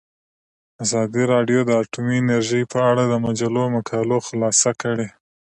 ازادي راډیو د اټومي انرژي په اړه د مجلو مقالو خلاصه کړې.